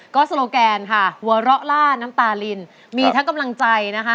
ก็โซโลแกนค่ะหัวเราะล่าน้ำตาลินมีทั้งกำลังใจนะคะ